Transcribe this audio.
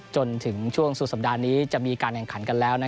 จนถึงช่วงสุดสัปดาห์นี้จะมีการแข่งขันกันแล้ว